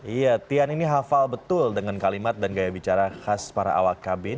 iya tian ini hafal betul dengan kalimat dan gaya bicara khas para awak kabin